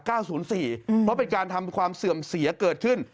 เพราะเป็นการทำความเสื่อมเสียเกิดขึ้น